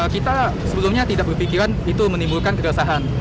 kita sebelumnya tidak berpikiran itu menimbulkan kegesahan